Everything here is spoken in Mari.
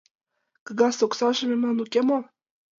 — Кагаз оксаже мемнан уке мо?